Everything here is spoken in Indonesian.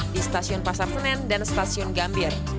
di stasiun pasar senen dan stasiun gambir